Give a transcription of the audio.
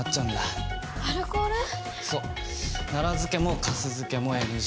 そう奈良漬もかす漬けもＮＧ。